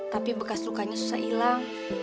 tapi bekas lukanya susah hilang